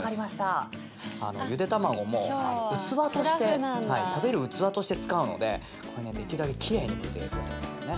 あのゆで卵も器として食べる器として使うのでこれねできるだけきれいにむいてくださいね。